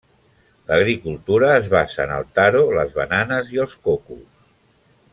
L'agricultura es basa en el taro, les bananes i els cocos.